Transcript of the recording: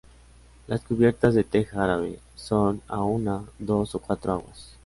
Las cubiertas de teja árabe, son a una, dos, o cuatro aguas.